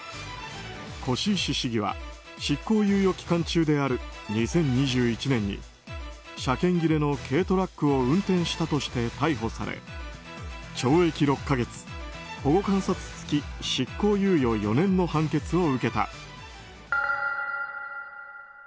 輿石市議は執行猶予期間中である２０２１年に車検切れの軽トラックを運転したとして逮捕され懲役６か月保護観察付き執行猶予４年の判決を受けた。